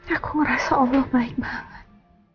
aku merasa allah baik banget